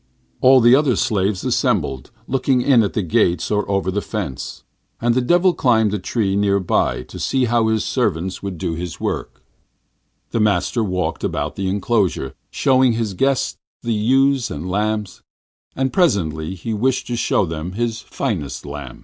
All the other slaves assembled, looking in at the gates or over the fence, and the Devil climbed a tree near by to see how his servant would do his work. The master walked about the inclosure, showing his guests the ewes and lambs, and presently he wished to show them his finest ram.